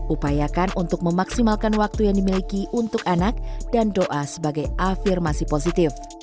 upayakan untuk memaksimalkan waktu yang dimiliki untuk anak dan doa sebagai afirmasi positif